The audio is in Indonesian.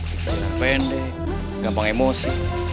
keterangan pendek gampang emosi